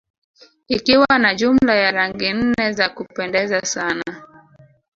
Ikiwa na jumla ya Rangi nne za kupendeza sana